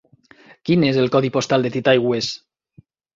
Quin és el codi postal de Titaigües?